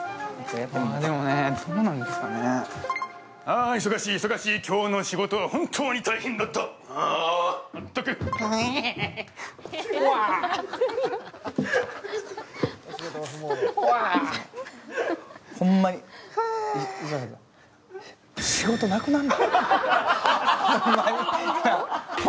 あ、忙しい、忙しい、今日の仕事は本当に大変だった、あ、全くふわ、ふわ、ふ仕事なくなる。